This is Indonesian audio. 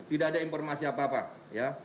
tidak ada informasi apa apa ya